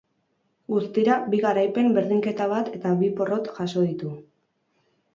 Guztira, bi garaipen, berdinketa bat eta bi porrot jaso ditu.